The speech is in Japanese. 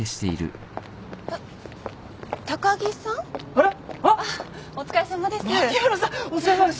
あっお疲れさまです。